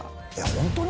ホントに？